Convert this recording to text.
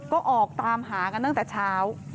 ก็ออกตามหากันตั้งแต่เช้า